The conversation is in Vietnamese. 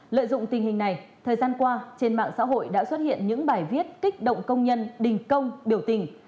lợi dụng tình hình này thời gian qua trên mạng xã hội đã xuất hiện những bài viết kích động công nhân đình công biểu tình